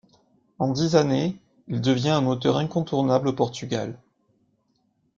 En dix années, il devient un auteur incontournable au Portugal.